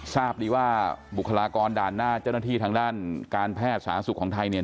ทราบดีว่าบุคลากรด่านหน้าเจ้าหน้าที่ทางด้านการแพทย์สาธารณสุขของไทยเนี่ย